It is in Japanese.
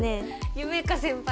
夢叶先輩！